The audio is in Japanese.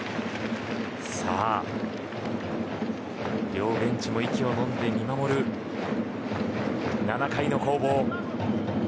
両ベンチも息をのんで見守る７回の攻防。